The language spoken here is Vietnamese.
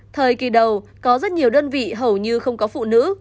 thời kỳ đầu có rất nhiều đơn vị hầu như không có phụ nữ